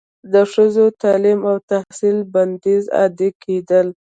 د ښځو تعلیم او تحصیل بندیز عادي کیدل